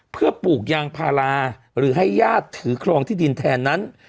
เพื่อปลูกยางพาราหรือให้ญาติถือครองที่ดินแทนนั้น